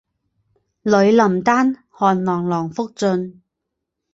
女林丹汗囊囊福晋。